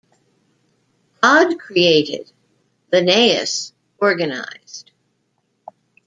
"God created, Linnaeus organized".